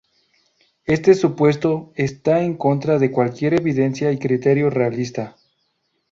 Este supuesto está en contra de cualquier evidencia y criterio realista.